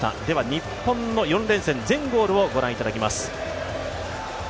日本の４連戦全ゴールをご覧いただきます。